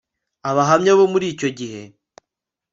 Abahamya bo muri icyo gihe